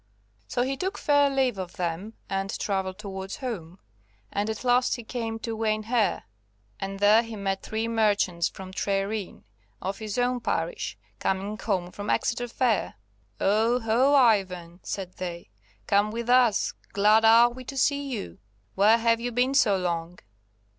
So he took fair leave of them and travelled towards home, and at last he came to Wayn Her, and there he met three merchants from Tre Rhyn, of his own parish, coming home from Exeter Fair. "Oho! Ivan," said they, "come with us; glad are we to see you. Where have you been so long?"